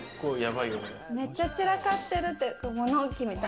めっちゃ散らかってる。